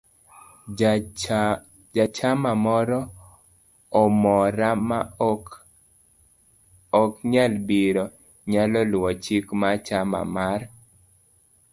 Jachamamoro amora ma ok nyal biro, nyalo luwo chik mar chama mar